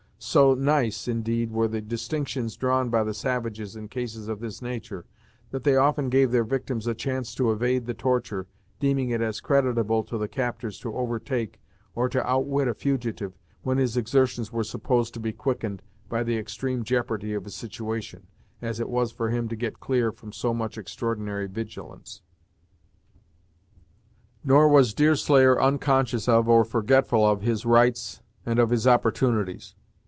So nice, indeed, were the distinctions drawn by the savages in cases of this nature, that they often gave their victims a chance to evade the torture, deeming it as creditable to the captors to overtake, or to outwit a fugitive, when his exertions were supposed to be quickened by the extreme jeopardy of his situation, as it was for him to get clear from so much extraordinary vigilance. Nor was Deerslayer unconscious of, or forgetful, of his rights and of his opportunities.